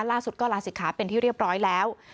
ล่าสุดก็ลาศิกขาเป็นที่เรียบร้อยแล้ว